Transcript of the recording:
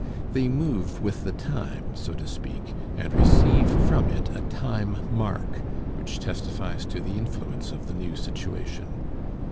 They move with the time, so to speak, and receive from it a "time mark" which testifies to the influence of the new situation.